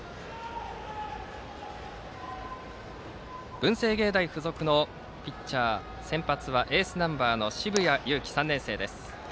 文星芸大付属のピッチャー先発はエースナンバーの澁谷優希３年生です。